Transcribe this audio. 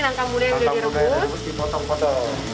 langkah muda yang sudah direbus dimotong motong